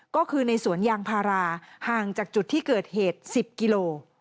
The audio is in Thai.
ก็คือในสวนยางพาราห่างจากจุดที่เกิดเหตุ๑๐กิโล